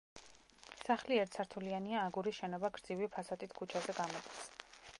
სახლი ერთსართულიანია აგურის შენობა გრძივი ფასადით ქუჩაზე გამოდის.